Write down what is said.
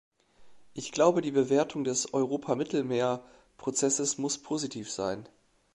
Ich glaube, die Bewertung des Europa-Mittelmeer-Prozesses muss positiv sein.